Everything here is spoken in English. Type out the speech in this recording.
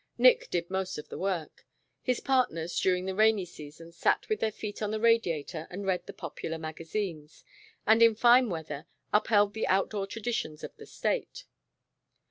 Nick did most of the work. His partners, during the rainy season, sat with their feet on the radiator and read the popular magazines, and in fine weather upheld the outdoor traditions of the state.